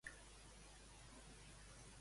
I hi apareixen referències a déus?